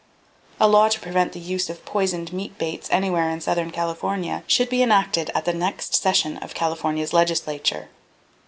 A law to prevent the use of poisoned meat baits anywhere in southern California, should be enacted at the next session of California's legislature.